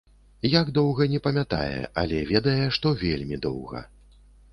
Як доўга, не памятае, але ведае, што вельмі доўга.